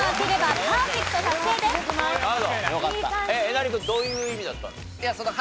えなり君どういう意味だったの？